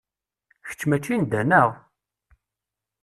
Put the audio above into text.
Kečč mačči n da, neɣ?